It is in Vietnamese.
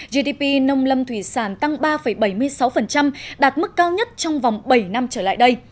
gdp nông lâm thủy sản tăng ba bảy mươi sáu đạt mức cao nhất trong vòng bảy năm trở lại đây